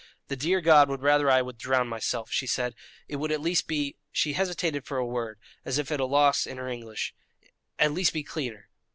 "The dear God would rather I would drown myself," she said; "it would at least be" she hesitated for a word, as if at a loss in her English "at least be cleaner."